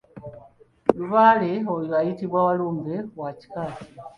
Lubaale oyo ayitibwa Walumbe wa kika ki?